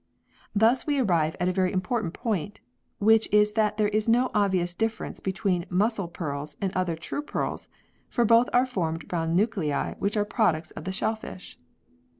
Thus we arrive at a very important point, which is that there is no obvious difference between "muscle pearls" and other true pearls, for both are formed round nuclei which are products of the shellfish.